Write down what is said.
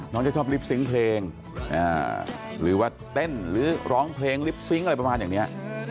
จะชอบลิปซิงค์เพลงหรือว่าเต้นหรือร้องเพลงลิปซิงค์อะไรประมาณอย่างนี้